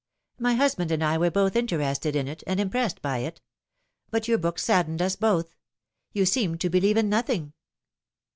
" My husband and I were both interested in it, and impressed by it. But your book saddened us both. You seem to believe in nothing."